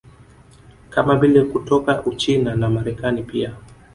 Kama vile kutoka Uchina na Marekani pia